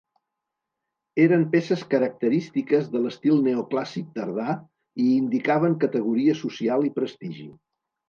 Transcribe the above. Eren peces característiques de l'estil neoclàssic tardà i indicaven categoria social i prestigi.